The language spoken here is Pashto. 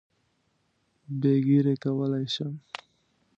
بې ږیرې کولای شم.